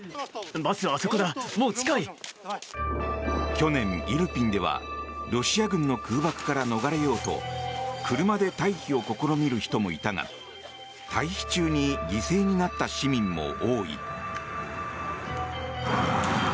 去年、イルピンではロシア軍の空爆から逃れようと車で退避を試みる人もいたが退避中に犠牲になった市民も多い。